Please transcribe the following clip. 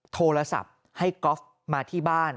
โทรศัพท์ให้ก๊อฟมาที่บ้าน